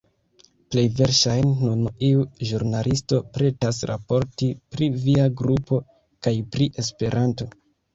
Plej verŝajne nun iu ĵurnalisto pretas raporti pri via grupo kaj pri Esperanto.